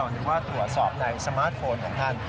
หรือว่าตรวจสอบในสมาร์ทโฟนของท่าน